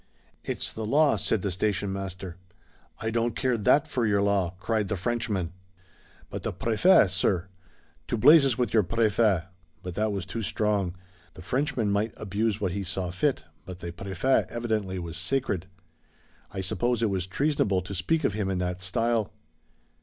'It's the law,' said the station master. 'I don't care that for your law!' cried the Frenchman. 'But the Préfet, sir.' 'To blazes with your Préfet!' But that was too strong. The Frenchman might abuse what he saw fit, but the Préfet evidently was sacred. I suppose it was treasonable to speak of him in that style.